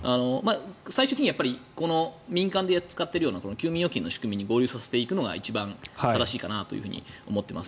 最終的には民間で使ってるような休眠貯金の仕組みに合流させていくのが一番正しいかなと思っています。